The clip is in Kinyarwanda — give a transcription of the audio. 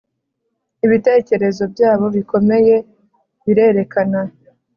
ibitekerezo byabo bikomeye birerekana